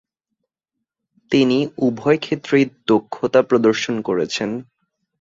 তিনি উভয়ক্ষেত্রেই দক্ষতা প্রদর্শন করেছেন।